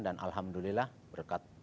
dan alhamdulillah berkat tuhan